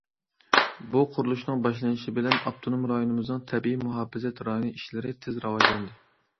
بۇ قۇرۇلۇشنىڭ باشلىنىشى بىلەن ئاپتونوم رايونىمىزنىڭ تەبىئىي مۇھاپىزەت رايونى ئىشلىرى تېز راۋاجلاندى.